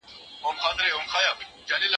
زه به اوږده موده زدکړه کړې وم،